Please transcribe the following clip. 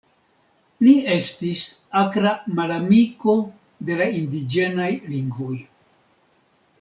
Li estis akra malamiko de la indiĝenaj lingvoj.